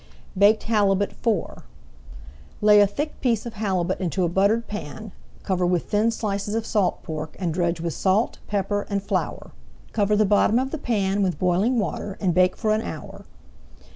BAKED HALIBUT IV Lay a thick piece of halibut into a buttered pan, cover with thin slices of salt pork, and dredge with salt, pepper, and flour. Cover the bottom of the pan with boiling water, and bake for an hour.